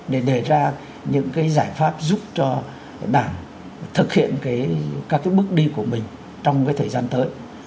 để đề ra những cái giải pháp giúp cho đảng thực hiện cái các cái bước đi của mình trong cái thời gian tới